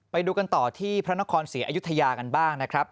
ไปดูกันต่อที่พระนครศรีอยุธยากันบ้างนะครับ